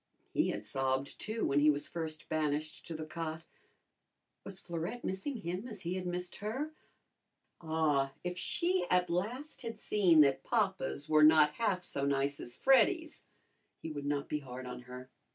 He had sobbed, too, when he was first banished to the cot. Was Florette missing him as he had missed her? Ah, if she at last had seen that papas were not half so nice as Freddy's, he would not be hard on her.